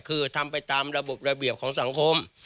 คือทำไปตามระบบระเบียบของสังคม